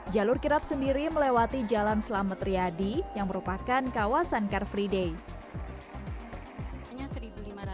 jalur kirap sendiri melewati jalan berikutnya yang dianggap sebagai jalan yang menarik untuk menjaga kemampuan perusahaan di jalur kirap